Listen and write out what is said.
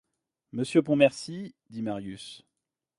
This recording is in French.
Monsieur Pontmercy ? dit Marius.